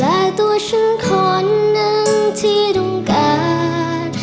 และตัวฉันขอหนึ่งที่ต้องการ